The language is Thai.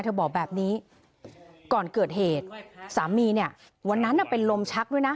บอกแบบนี้ก่อนเกิดเหตุสามีเนี่ยวันนั้นเป็นลมชักด้วยนะ